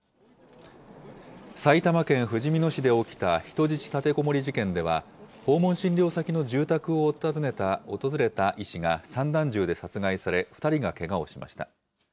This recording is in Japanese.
埼玉県ふじみ野市で起きた人質立てこもり事件では、訪問診療先の住宅を訪れた医師が散弾銃で殺害され、２人がけがをしました。